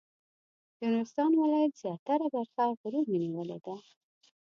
د نورستان ولایت زیاتره برخه غرونو نیولې ده.